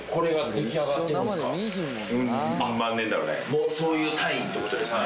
もうそういう単位ってことですね。